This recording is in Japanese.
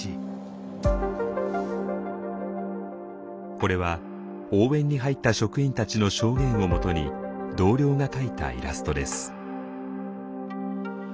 これは応援に入った職員たちの証言をもとに同僚が描いたイラストです。